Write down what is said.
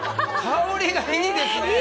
香りがいいですね！